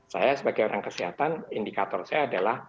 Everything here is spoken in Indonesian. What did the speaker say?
saya sebagai orang kesehatan indikator saya adalah